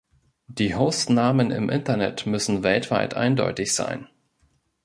Die Hostnamen im Internet müssen weltweit eindeutig sein.